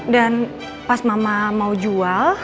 dan pas mama mau jual